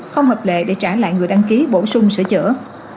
không hợp lệ để trả lại người đăng ký bổ sung sửa chữa